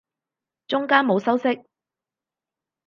中間冇修飾